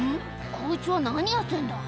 こいつは何やってんだ？